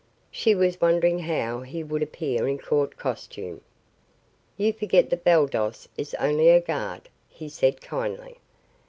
She was wondering how he would appear in court costume. "You forget that Baldos is only a guard," he said kindly.